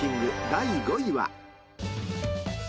第５位は？］